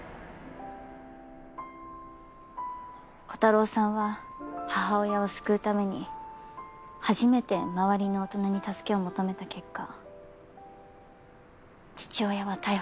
コタローさんは母親を救うために初めて周りの大人に助けを求めた結果父親は逮捕された。